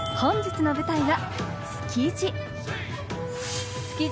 本日の舞台は築地。